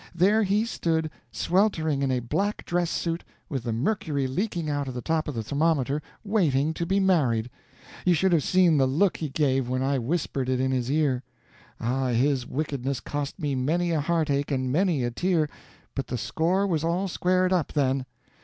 There he stood, sweltering in a black dress suit, with the mercury leaking out of the top of the thermometer, waiting to be married. You should have seen the look he gave when I whispered it in his ear. Ah, his wickedness cost me many a heartache and many a tear, but the score was all squared up, then.